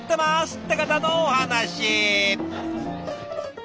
って方のお話。